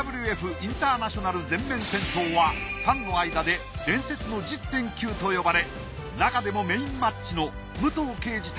インターナショナル全面戦争」はファンの間で「伝説の１０．９」と呼ばれなかでもメインマッチの武藤敬司対